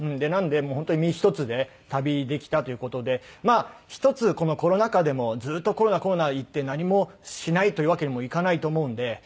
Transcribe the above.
なので本当に身一つで旅できたという事でまあ一つこのコロナ禍でもずっと「コロナコロナ」言って何もしないというわけにもいかないと思うんで。